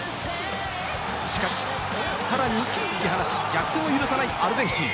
しかし、さらに突き放し、逆転を許さないアルゼンチン。